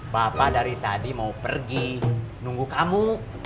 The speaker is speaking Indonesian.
bapak dari tadi mau pergi nunggu kamu